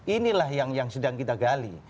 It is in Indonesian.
inilah yang sedang kita gali